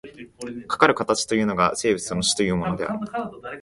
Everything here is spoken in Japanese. かかる形というのが、生物の種というものである。